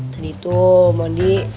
tadi tuh mondi